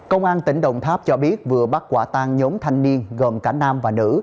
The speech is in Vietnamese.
công an tỉnh đồng tháp cho biết vừa bắt quả tang nhóm thanh niên gồm cả nam và nữ